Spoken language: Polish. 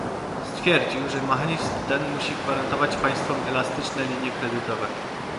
Stwierdził, że mechanizm ten musi gwarantować państwom elastyczne linie kredytowe